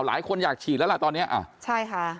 หลายคนอยากฉีดแล้วล่ะตอนเนี้ยอ่าใช่ค่ะ